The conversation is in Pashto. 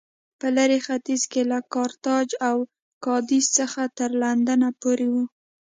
په لېرې ختیځ کې له کارتاج او کادېس څخه تر لندنه پورې و